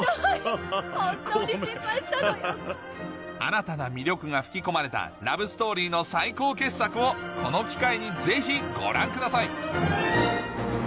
新たな魅力が吹き込まれたラブストーリーの最高傑作をこの機会にぜひご覧ください